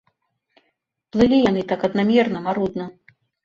Плылі яны так аднамерна, марудна.